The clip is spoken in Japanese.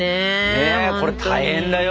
ねこれ大変だよ